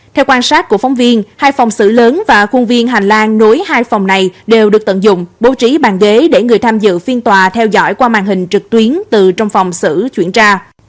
theo quan sát của phóng viên hai phòng xử lớn và khuôn viên hành lang nối hai phòng này đều được tận dụng bố trí bàn ghế để người tham dự phiên tòa theo dõi qua màn hình trực tuyến từ trong phòng xử chuyển tra